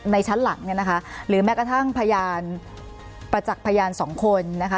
ชั้นหลังเนี่ยนะคะหรือแม้กระทั่งพยานประจักษ์พยานสองคนนะคะ